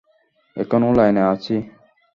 এখনও লাইনে আছি।